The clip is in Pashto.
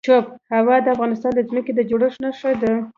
هوا د افغانستان د ځمکې د جوړښت نښه ده.